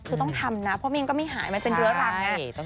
คือต้องทำนะเพราะมันก็ไม่หายมันเป็นเรื้อรังไง